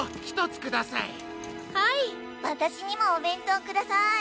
わたしにもおべんとうください。